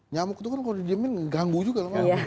nyamuk itu kan kalau di diemin mengganggu juga